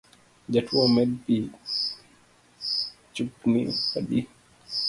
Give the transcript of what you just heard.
Jatuo omed pi chupni adi